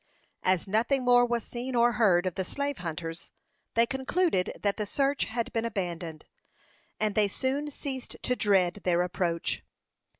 As nothing more was seen or heard of the slave hunters, they concluded that the search had been abandoned, and they soon ceased to dread their approach.